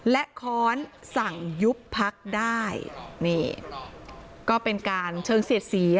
และค้อนสั่งยุบพักได้นี่ก็เป็นการเชิงเสียดสี